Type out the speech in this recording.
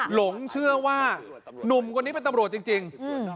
หลงเชื่อว่าหนุ่มคนนี้เป็นตำรวจจริง